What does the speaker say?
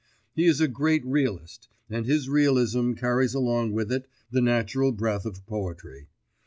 He is a great realist, and his realism carries along with it the natural breath of poetry.